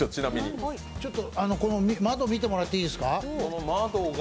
この窓見てもらっていいですか？